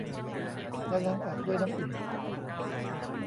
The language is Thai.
แล้วล้างออกด้วยน้ำอุ่น